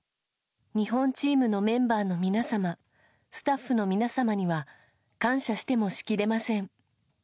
日本チームのメンバーの皆様、スタッフの皆様には、感謝してもしきれません。